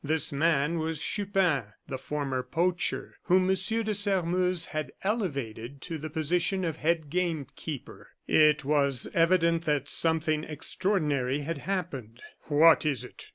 This man was Chupin, the former poacher, whom M. de Sairmeuse had elevated to the position of head gamekeeper. It was evident that something extraordinary had happened. "What is it?"